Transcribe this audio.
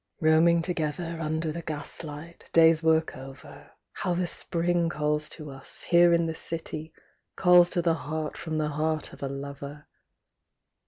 Roaming together under the gaslight. Day's work over, How the Spring calls to us, here in the city. Calls to the heart from the heart of a lover